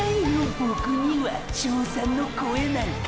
ボクには称賛の声なんか！！